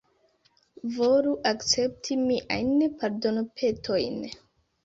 Volu akcepti miajn pardonpetojn.